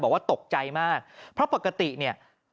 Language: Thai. บอกว่าตกใจมากเพราะปกติเนี่ย